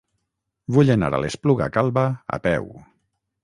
Vull anar a l'Espluga Calba a peu.